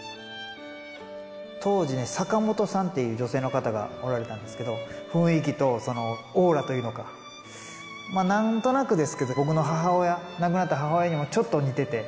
当時ね、坂本さんっていう女性の方がおられたんですけど、雰囲気とオーラというのか、なんとなくですけど、僕の母親、亡くなった母親にもちょっと似てて。